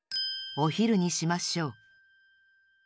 おひるにしましょう。